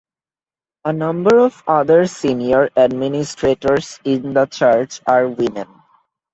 A number of other senior administrators in the Church are women.